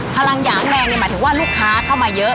พลังหยางแมวหมายถึงว่าลูกค้าเข้ามาเยอะ